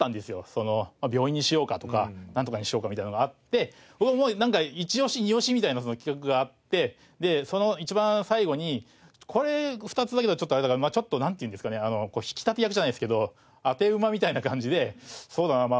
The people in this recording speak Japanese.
その病院にしようかとかなんとかにしようかみたいなのがあって一押し二押しみたいな企画があってでその一番最後にこれ２つだけだとちょっとあれだからなんていうんですかね引き立て役じゃないですけど当て馬みたいな感じでそうだなま